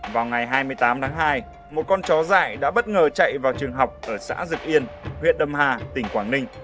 vào ngày hai mươi tám tháng hai một con chó dại đã bất ngờ chạy vào trường học ở xã dực yên huyện đầm hà tỉnh quảng ninh